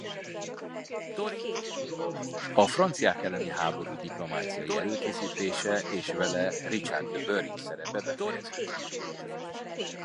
A franciák elleni háború diplomáciai előkészítése és vele Richard de Bury szerepe befejeződött.